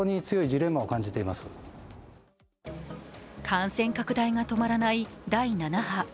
感染拡大が止まらない第７波。